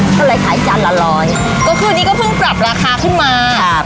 ก็เลยขายจานละร้อยก็คือนี้ก็เพิ่งปรับราคาขึ้นมาครับ